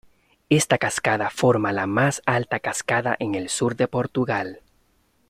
Esta cascada forma la más alta cascada en el sur de Portugal.